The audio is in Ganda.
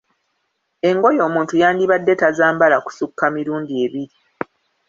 Engoye omuntu yandibadde tazambala kusukka mirundi ebiri.